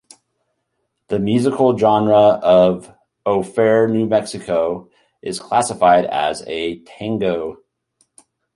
The musical genre of "O Fair New Mexico" is classified as a tango.